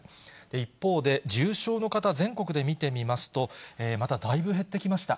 一方で、重症の方、全国で見てみますと、まただいぶ減ってきました。